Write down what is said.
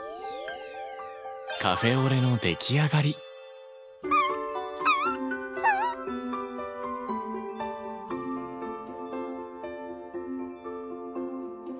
カフェオレの出来上がりキュウ。